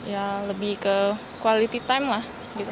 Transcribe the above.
ya lebih ke quality time lah gitu